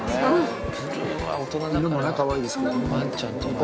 犬もかわいいですけどね。